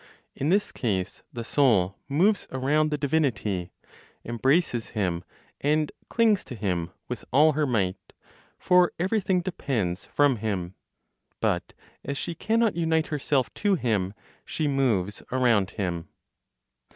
In this case, the Soul moves around the divinity, embraces Him, and clings to Him with all her might; for everything depends from Him. But, as she cannot unite herself to Him, she moves around Him.